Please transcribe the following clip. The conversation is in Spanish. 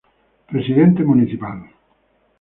Presidente Municipal.